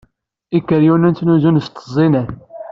Ikeryunen ttnuzun s tteẓẓinat.